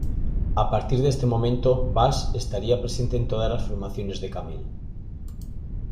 A partir de este momento, Bass estaría presente en todas las formaciones de Camel.